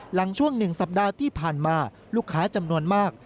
หลังช่วง๑สัปดาห์ที่ผ่านมาลูกค้าจำนวนมาก